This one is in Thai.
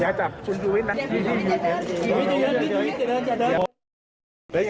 อยากจับคุณยุวิทย์นะ